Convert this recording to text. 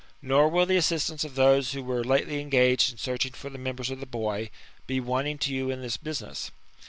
Nor will the assistance of those who were lately engaged in searching for the members of the boy, be wanting to you in this business."